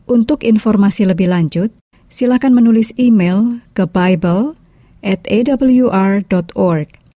untuk informasi lebih lanjut silakan menulis email ke buible atawr org